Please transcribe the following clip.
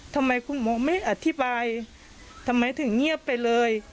ทำไมคุณหมอไม่อธิบายทำไมถึงเงียบไปเลย